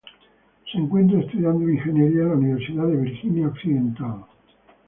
Se encuentra estudiando ingeniería en la Universidad de Virginia Occidental.